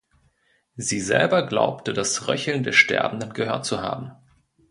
Sie selber glaubte das Röcheln der Sterbenden gehört zu haben.